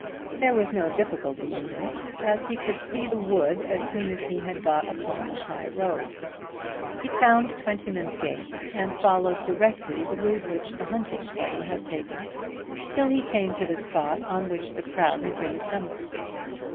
There was no difficulty in this as he could see the wood as soon as he had got upon the high road. He found Twentyman's gate and followed directly the route which the hunting party had taken, till he came to the spot on which the crowd had been assembled.